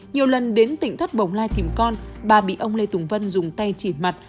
nhiều lần đến tỉnh thất bồng lai tìm con bà bị ông lê tùng vân dùng tay chỉ mặt